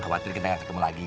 gawatir kita gak ketemu lagi